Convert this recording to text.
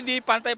di pantai kute